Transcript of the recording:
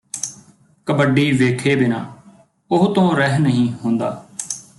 ਕਬੱਡੀ ਵੇਖੇ ਬਿਨਾਂ ਉਹਤੋਂ ਰਹਿ ਨਹੀਂ ਹੁੰਦਾ